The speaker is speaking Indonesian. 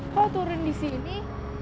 kok turun disini